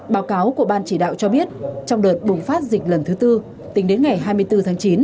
báo cáo của ban chỉ đạo cho biết trong đợt bùng phát dịch lần thứ tư tính đến ngày hai mươi bốn tháng chín